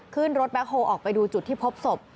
ขึ้นรถแบ็คโฮลออกไปดูจุดที่พบศพ